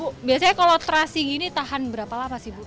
bu biasanya kalau terasi gini tahan berapa lama sih bu